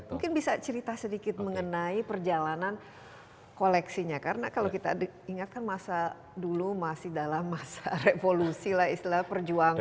mungkin bisa cerita sedikit mengenai perjalanan koleksinya karena kalau kita ingatkan masa dulu masih dalam masa revolusi lah istilah perjuangan